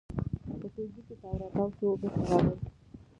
په ټولګي کې تاو راتاو شو، بېرته راغی.